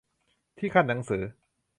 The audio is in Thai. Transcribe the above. ที่คั่นหนังสือ